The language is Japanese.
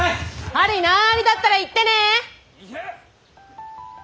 針難ありだったら言ってね。